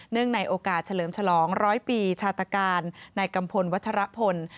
เนื่องในโอกาสเฉลิมฉลอง๑๐๐ปีชาตาการในกำพลวัชรพล